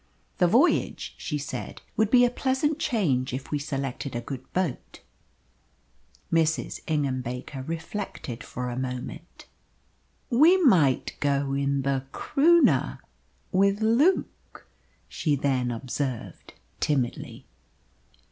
"The voyage," she said, "would be a pleasant change if we selected a good boat." Mrs. Ingham Baker reflected for a moment. "We might go in the Croonah with Luke," she then observed timidly.